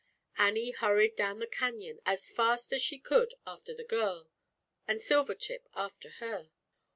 Annie hurried down the canyon as fast as she could after the girl, and Sil ip after her.